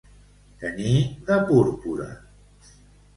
Tenyir de púrpura.